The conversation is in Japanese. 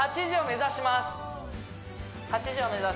８時を目指しますあっ